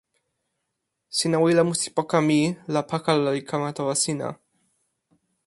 sina wile musi poka mi, la pakala li kama tawa sina.